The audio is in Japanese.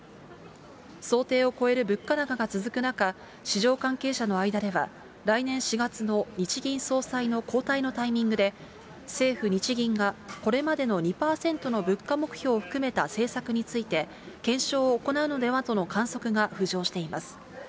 想定を超える物価高が続く中、市場関係者の間では、来年４月の日銀総裁の交代のタイミングで、政府・日銀がこれまでの２％の物価目標を含めた政策について、検証を行うのではとの観測が浮上しています。